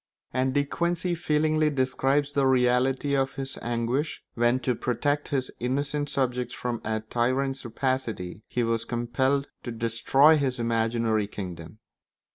And De Quincey feelingly describes the reality of his anguish when, to protect his innocent subjects from a tyrant's rapacity, he was compelled to destroy his imaginary kingdom.